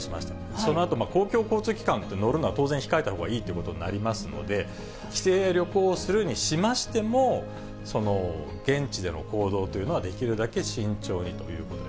そのあと公共交通機関って乗るのは当然控えたほうがいいということになりますので、帰省や旅行をするにしましても、現地での行動というのはできるだけ慎重にということで、